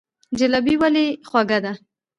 جلبي ولې خوږه ده؟